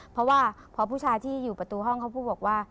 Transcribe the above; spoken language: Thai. เพราะว่าพอผู้ชายที่อยู่ประตูห้องเขาพูดบอกว่า